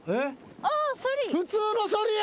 普通のソリや。